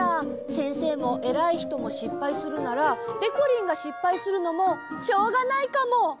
せんせいもえらいひともしっぱいするならでこりんがしっぱいするのもしょうがないかも。